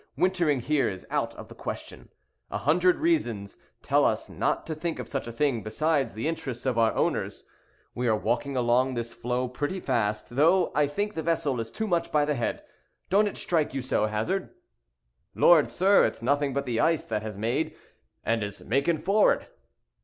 Wintering here is out of the question. A hundred reasons tell us not to think of such a thing, besides the interests of our owners. We are walking along this floe pretty fast, though I think the vessel is too much by the head; don't it strike you so, Hazard?" "Lord, sir, it's nothing but the ice that has made, and is making for'ard!